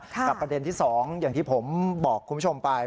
ประเด็นที่๒อย่างที่ผมบอกคุณผู้ชมไป